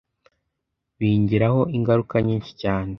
bingiraho ingaruka nyinshi cyane